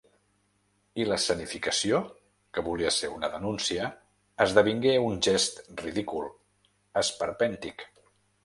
I l’escenificació, que volia ser una denúncia, esdevingué un gest ridícul, esperpèntic.